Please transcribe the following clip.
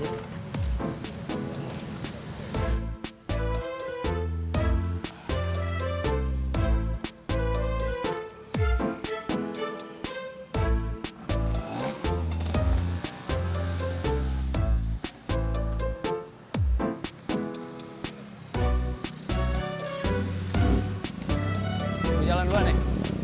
jalan jalan gue nih